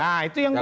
nah itu yang benar